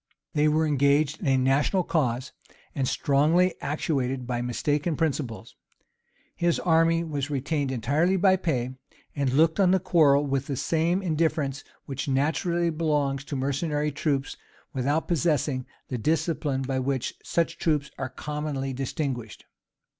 They were engaged in a national cause, and strongly actuated by mistaken principles. His army was retained entirely by pay, and looked on the quarrel with the same indifference which naturally belongs to mercenary troops without possessing the discipline by which such troops are commonly distinguished.